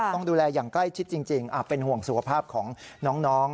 ต้องดูแลอย่างใกล้ชิดจริงเป็นห่วงสุขภาพของน้อง